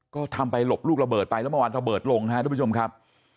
ก็ทำไปหลบลูกระเบิดไปแล้วเมื่อวานระเบิดลงนะครับทุกผู้ชมครับ